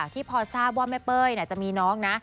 ที่พอทราบว่าแม่เป้ยจะมีน้องนะ